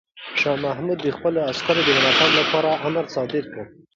شاه محمود د خپلو عسکرو د ملاتړ لپاره امر صادر کړ.